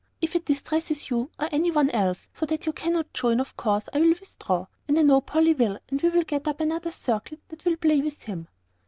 If it distresses you, or any one else, so that you cannot join, of course I will withdraw, and I know Polly will, and we will get up another circle that will play with him."